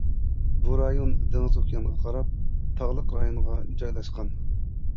بۇ رايون دېڭىز-ئوكيانغا قاراپ، تاغلىق رايونغا جايلاشقان.